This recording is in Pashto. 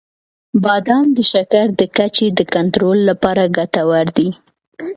• بادام د شکر د کچې د کنټرول لپاره ګټور دي.